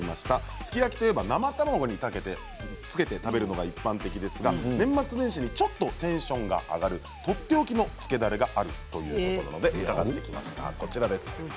すき焼きといえば生卵につけて食べるのが一般的ですが年末年始にちょっとテンションが上がるとっておきのつけだれがあるということで伺ってきました。